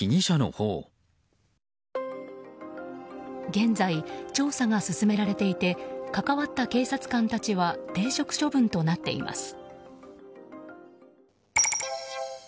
現在、調査が進められていて関わった警察官たちは停職処分となっています。